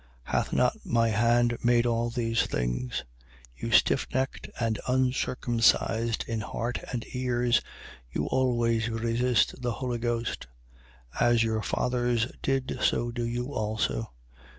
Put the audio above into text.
7:50. Hath not my hand made all these things? 7:51. You stiffnecked and uncircumcised in heart and ears, you always resist the Holy Ghost. As your fathers did, so do you also.